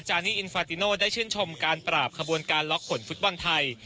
นี่อินฟาติโนได้ชื่นชมการปราบขบวนการล็อกผลฟุตบอลไทย